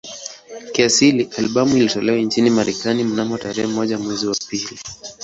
Kiasili albamu ilitolewa nchini Marekani mnamo tarehe moja mwezi wa pili